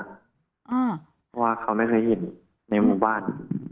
เพราะว่าเขาไม่เคยเห็นในหมู่บ้าน